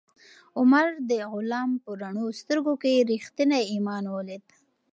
عمر د غلام په رڼو سترګو کې ریښتینی ایمان ولید.